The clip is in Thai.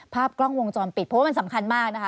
ภาพกล้องวงจรปิดเพราะว่ามันสำคัญมากนะคะ